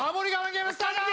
ゲームスタート